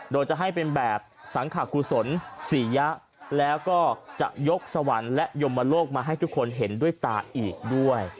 โดยจะให้เป็นแบบสังขกุศลศรียะแล้วก็จะยกสวรรค์และยมโลกมาให้ทุกคนเห็นด้วยตาอีกด้วย